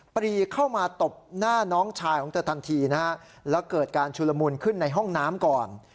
ปรีเข้ามาตบหน้าน้องชายของเธอทันทีนะฮะแล้วเกิดการชุลมุนขึ้นในห้องน้ำก่อน